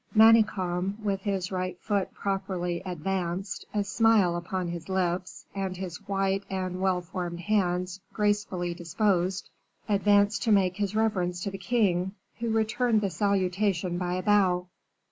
Manicamp, with his right foot properly advanced, a smile upon his lips, and his white and well formed hands gracefully disposed, advanced to make his reverence to the king, who returned the salutation by a bow.